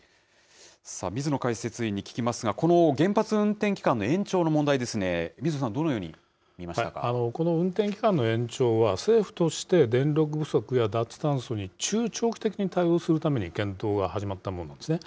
水野解説委員に聞きますが、この原発運転期間の延長の問題ですね、この運転期間の延長は、政府として、電力不足や脱炭素に中長期的に対応するために検討が始まったものなんですね。